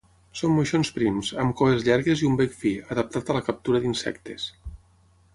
Són moixons prims, amb cues llargues i un bec fi, adaptat a la captura d'insectes.